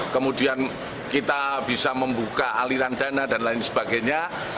kemudian kita bisa membuka aliran dana dan lain sebagainya